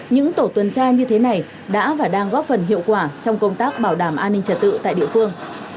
những tổ tuần tra như thế này đã và đang góp phần hiệu quả trong công tác bảo đảm an ninh trật tự tại địa phương